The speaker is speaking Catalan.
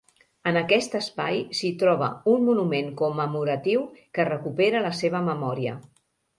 En aquest espai s'hi troba un monument commemoratiu que recupera la seva memòria.